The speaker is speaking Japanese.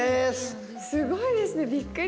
すごいですねびっくり。